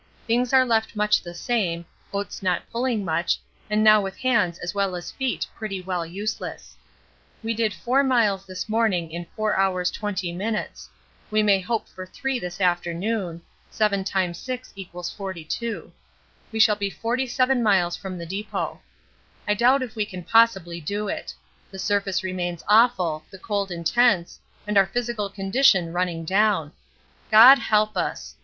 Things are left much the same, Oates not pulling much, and now with hands as well as feet pretty well useless. We did 4 miles this morning in 4 hours 20 min. we may hope for 3 this afternoon, 7 × 6 = 42. We shall be 47 miles from the depot. I doubt if we can possibly do it. The surface remains awful, the cold intense, and our physical condition running down. God help us!